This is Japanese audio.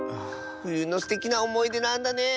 ふゆのすてきなおもいでなんだねえ。